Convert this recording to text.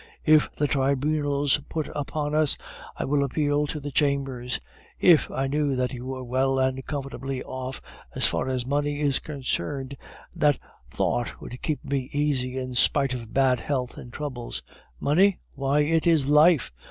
If the Tribunals put upon us, I will appeal to the Chambers. If I knew that you were well and comfortably off as far as money is concerned, that thought would keep me easy in spite of bad health and troubles. Money? why, it is life!